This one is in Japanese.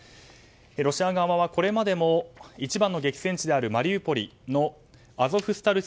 ロシア側はこれまでも一番の激戦地であるマリウポリのアゾフスタル